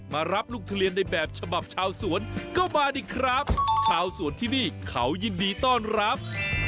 ครับชาวสวนที่นี่เขายินดีต้อนรับ